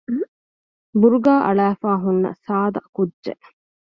ބުރުގާ އަޅާފައި ހުންނަ ސާދަ ކުއްޖެއް